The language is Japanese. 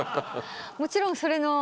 もちろんそれの。